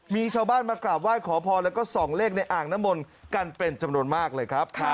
มีชาวบ้านมากราบไหว้ขอพรแล้วก็ส่องเลขในอ่างน้ำมนต์กันเป็นจำนวนมากเลยครับ